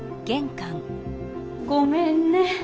ごめんね。